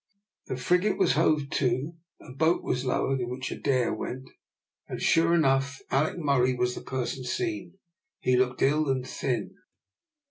The frigate was hove to, a boat was lowered, in which Adair went; and sure enough, Alick Murray was the person seen. He looked ill and thin.